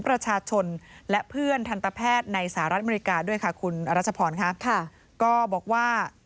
ประชาชนและเพื่อนทันตแพทย์ในสหรัฐอเมริกาด้วยค่ะ